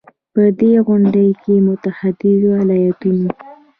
په دې غونډې کې د متحدو ایالتونو